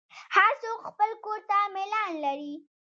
هر څوک خپل کور ته میلان لري.